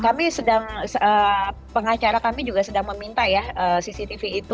kami sedang pengacara kami juga sedang meminta ya cctv itu